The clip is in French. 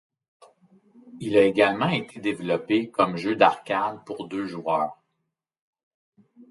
Il a également été développé comme jeu d'arcade pour deux joueurs.